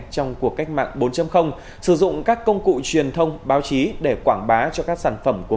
trong cuộc cách mạng bốn sử dụng các công cụ truyền thông báo chí để quảng bá cho các sản phẩm của